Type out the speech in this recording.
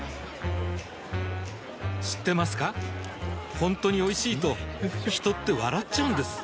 ほんとにおいしいと人って笑っちゃうんです